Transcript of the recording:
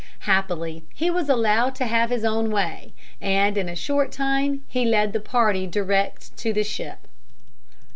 Happily, he was allowed to have his own way, and in a short time he led the party direct to the ship.